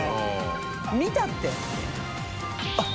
見たって！）あっ。